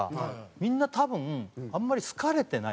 みんな多分あんまり好かれてない。